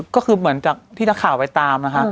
ก็คือเหมือนจากที่นักข่าวไปตามนะคะ